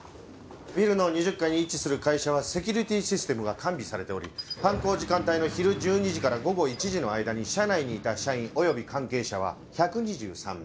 ビルの２０階に位置する会社はセキュリティーシステムが完備されており犯行時間帯の昼１２時から午後１時の間に社内にいた社員及び関係者は１２３名。